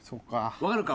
わかるか？